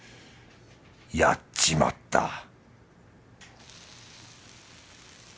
やっちまった